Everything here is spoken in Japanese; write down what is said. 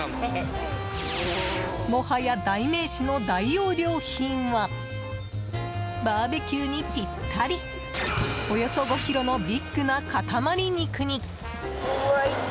もはや代名詞の大容量品はバーベキューにぴったりおよそ５ｋｇのビッグな塊肉に。